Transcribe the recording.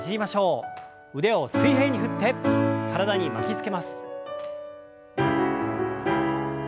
腕を水平に振って体に巻きつけます。